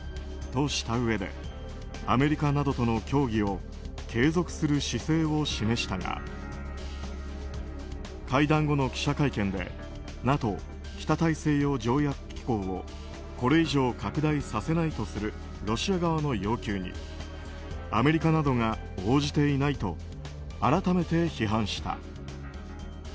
としたうえでアメリカなどとの協議を継続する姿勢を示したが会談後の記者会見でＮＡＴＯ・北大西洋条約機構をこれ以上拡大させないとするロシア側の要求にアメリカなどが応じていないと改めて批判した。